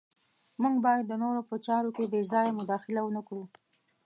موږ باید د نورو په چارو کې بې ځایه مداخله ونه کړو.